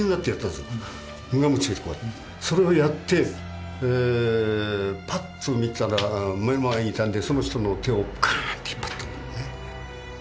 無我夢中でそれをやってパッと見たら目の前にいたんでその人の手をガッと引っ張ったんだね。